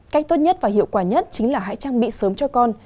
cách tốt nhất và hiệu quả nhất chính là hãy trang bị sớm cho con